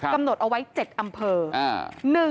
กำหนดเอาไว้๗อำเภอ